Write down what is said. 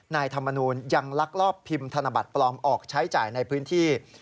นายธรรมนูลยังลักลอบพิมพ์ธนบัตรปลอมออกใช้จ่ายในพื้นที่